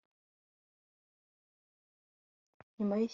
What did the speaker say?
nyuma y ishyingirwa ry ababyeyi iyo